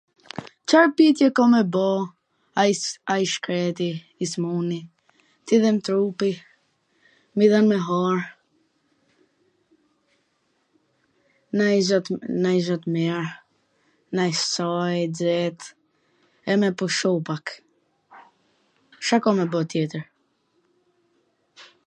Car pytje ka me bo ai i shkreti? i smuni. T'i dhem trupi, me i dhan me hangr nanj gja t mir, nanj Caj, t xet, e me pushu pak. Ca ka me bo tjetwr.